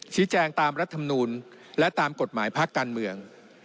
ชี้แจงตามรัฐมนูลและตามกฎหมายภาคการเมือง